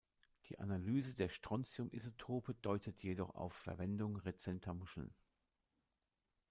Die Analyse der Strontium-Isotope deutet jedoch auf Verwendung rezenter Muscheln.